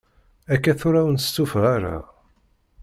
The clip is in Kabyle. Akka tura ur nestufa ara.